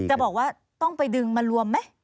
จะบอกว่าต้องไปดึงมารวมไหม